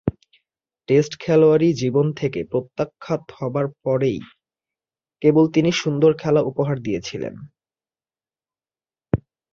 Test খেলোয়াড়ী জীবন থেকে প্রত্যাখ্যাত হবার পরই কেবল তিনি সুন্দর খেলা উপহার দিয়েছিলেন।